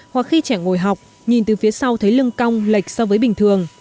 hoặc khi trẻ ngồi học nhìn từ phía sau thấy lưng cong lệch so với bình thường